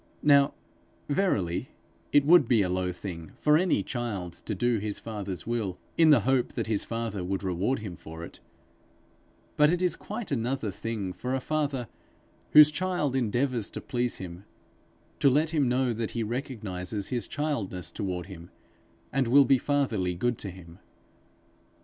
Now, verily, it would be a low thing for any child to do his father's will in the hope that his father would reward him for it; but it is quite another thing for a father whose child endeavours to please him, to let him know that he recognizes his childness toward him, and will be fatherly good to him.